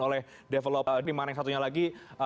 oleh develop dimana yang satunya lagi